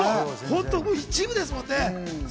ごく一部ですもんね。